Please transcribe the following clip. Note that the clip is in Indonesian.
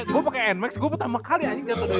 gue pake nmax gue pertama kali anjing jatoh dari motor